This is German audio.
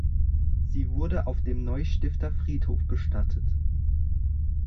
Sie wurde auf dem Neustifter Friedhof bestattet.